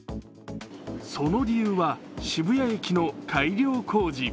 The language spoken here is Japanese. その理由は、渋谷駅の改良工事。